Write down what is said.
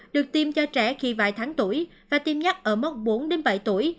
được tiêm cho trẻ khi vài tháng tuổi và tiêm nhắc ở mốc bốn bảy tuổi và chín một mươi năm tuổi